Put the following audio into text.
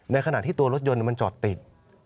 ในขณะที่ตัวรถยนต์มันจอดติด